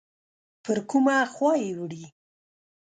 پر کومه خوا یې وړي؟